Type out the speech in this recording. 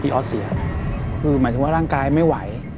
ออสเสียคือหมายถึงว่าร่างกายไม่ไหว